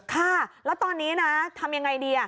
ค่ะแล้วตอนนี้นะทำยังไงดี